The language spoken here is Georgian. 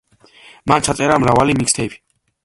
მან ჩაწერა მრავალი მიქსთეიფი.